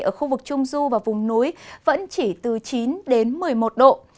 ở khu vực trung du và vùng núi vẫn chỉ từ chín đến một mươi một độ